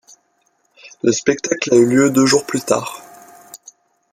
Le spectacle a eu lieu deux jours plus tard.